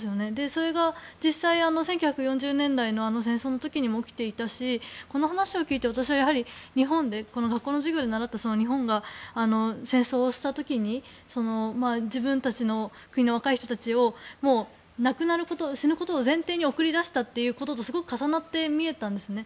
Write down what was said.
それが実際、１９４０年代のあの戦争の時にも起きていたしこの話を聞いて、私は学校の授業で習った、日本が戦争をした時に自分たちの国の若い人たちを亡くなること、死ぬことを前提に送り出したこととすごく重なって見えたんですね。